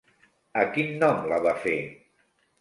A quin nom la va fer?